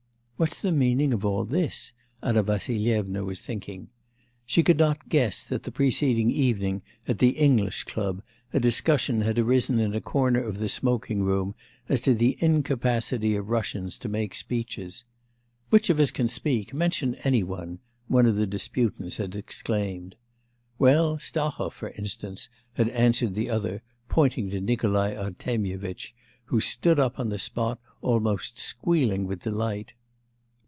'What's the meaning of all this?' Anna Vassilyevna was thinking. (She could not guess that the preceding evening at the English club a discussion had arisen in a corner of the smoking room as to the incapacity of Russians to make speeches. 'Which of us can speak? Mention any one!' one of the disputants had exclaimed. 'Well, Stahov, for instance,' had answered the other, pointing to Nikolai Artemyevitch, who stood up on the spot almost squealing with delight.)